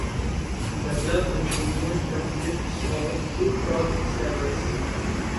The club insignia consists of two crossed sabres.